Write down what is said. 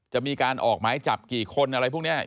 จะมีการออกหมายจับกี่คนอะไรพวกนี้